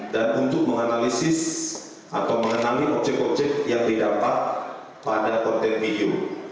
dan untuk menganalisis atau mengenali objek objek yang didapat pada konten video